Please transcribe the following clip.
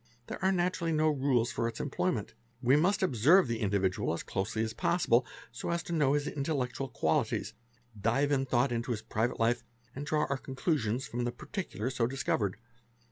There are naturally no rules for its employment. We must observe the individual as closely as possible so as to know his intellectual qualities, dive in thought into his private life, and draw our conclusions from the particulars so discovered.